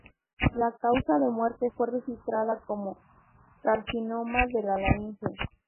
La causa de muerte fue registrada como "carcinoma a la laringe".